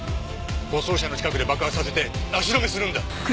護送車の近くで爆発させて足止めするんだ。